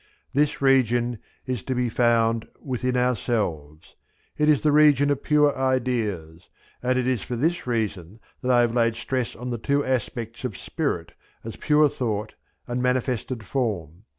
This region is to be found within ourselves; it is the region of pure ideas; and it is for this reason that I have laid stress on the two aspects of spirit as pure thought and manifested form.